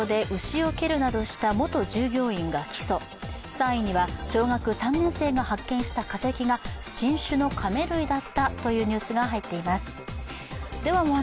５位には島根の農場で牛を蹴るなどした元従業員が起訴、３位には小学３年生が発見した化石が９０００年前の新種のカメ類だったというニュースが入っています。